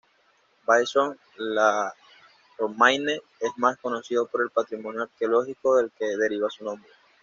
Vaison-la-Romaine es más conocido por el patrimonio arqueológico del que deriva su nombre.